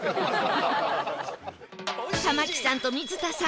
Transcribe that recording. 玉木さんと水田さん